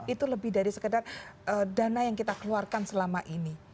itu lebih dari sekedar dana yang kita keluarkan selama ini